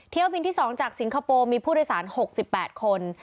เที่ยวบินที่๒จากสิงคโปร์มีผู้โดยสาร๖๘คน